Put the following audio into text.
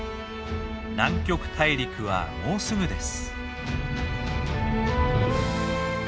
南極大陸はもうすぐです。